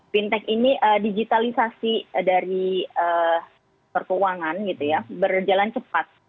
fintech ini digitalisasi dari sektor keuangan berjalan cepat